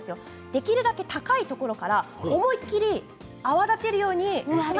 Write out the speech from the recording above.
できるだけ高いところから思い切り泡立てるように。